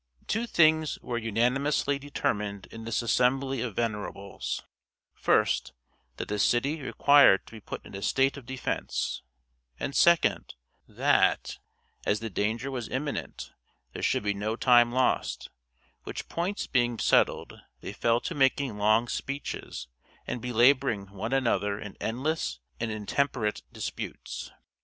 Two things were unanimously determined in this assembly of venerables: first, that the city required to be put in a state of defense; and second, that, as the danger was imminent, there should be no time lost; which points being settled, they fell to making long speeches, and belaboring one another in endless and intemperate disputes.